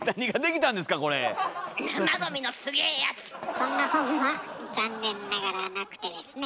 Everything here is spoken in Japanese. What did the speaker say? そんな本は残念ながらなくてですね。